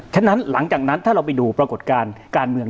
ฉะนั้นหลังจากนั้นถ้าเราไปดูปรากฏการณ์การเมือง